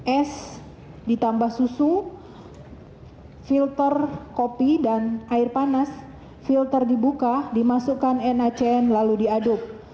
es ditambah susu filter kopi dan air panas filter dibuka dimasukkan nacn lalu diaduk